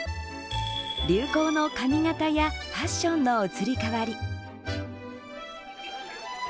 流行の髪形やファッションの移り変わり。